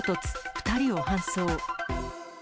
２人を搬送。